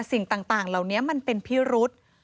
สิ่งต่างเหล่านี้มันเป็นพิรุษ